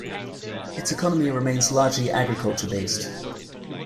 Its economy remains largely agriculture-based.